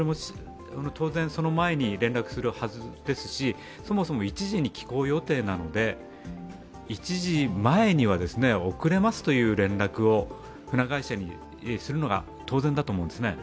当然その前に連絡するはずですし、そもそも１時に帰港予定なので１時前には遅れますという連絡を船会社にするのが当然だと思うんですね。